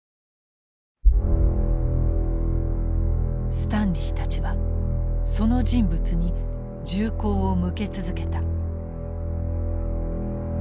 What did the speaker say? スタンリーたちはその人物に銃口を向け続けた。